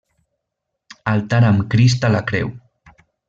Altar amb Crist a la Creu.